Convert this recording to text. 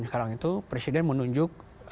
sekarang itu presiden menunjuk